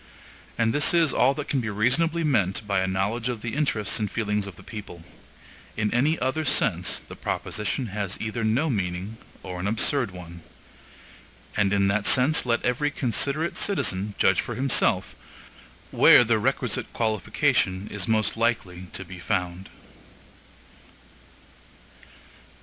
And this is all that can be reasonably meant by a knowledge of the interests and feelings of the people. In any other sense the proposition has either no meaning, or an absurd one. And in that sense let every considerate citizen judge for himself where the requisite qualification is most likely to be found.